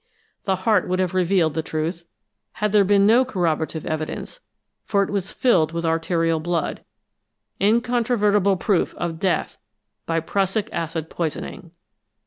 The heart would have revealed the truth, had there been no corroborative evidence, for it was filled with arterial blood incontrovertible proof of death by prussic acid poisoning."